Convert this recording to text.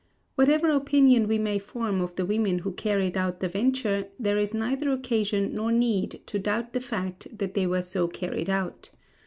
Whatever opinion we may form of the women who carried out the venture, there is neither occasion nor need to doubt the fact they were so carried out.